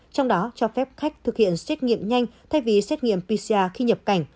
trong đó cho phép khách thực hiện xét nghiệm nhanh thay vì xét nghiệm pcr khi nhập cảnh